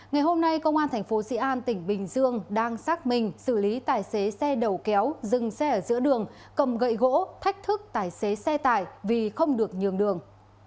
ngày hôm nay công an thành phố sĩ an tỉnh bình dương đang xác minh xử lý tài xế xe đầu kéo dừng xe ở giữa đường cầm gậy gỗ thách thức tài xế xe tải vì không được nhường đường